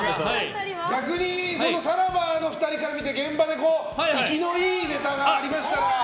逆にさらばの２人から見て、現場で生きのいいネタがありましたら。